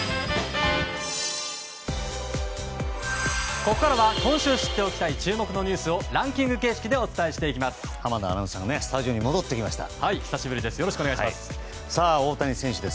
ここからは今週知っておきたい注目のニュースをランキング形式でお伝えしていきます。